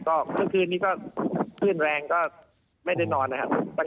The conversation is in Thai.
ก็เมื่อคืนนี้ก็ขึ้นแรงก็ไม่ได้นอนนะครับ